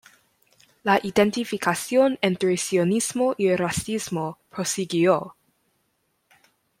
La identificación entre sionismo y racismo prosiguió.